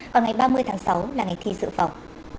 và ngày ba mươi tháng sáu là ngày thi dự phòng